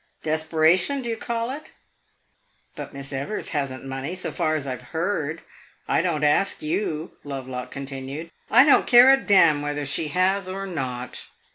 Desperation, do you call it? But Miss Evers has n't money, so far as I have heard. I don't ask you," Lovelock continued "I don't care a damn whether she has or not.